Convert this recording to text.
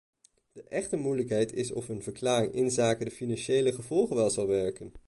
De echte moeilijkheid is of een verklaring inzake de financiële gevolgen wel zal werken.